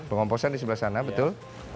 pengomposan di sebelah sana betul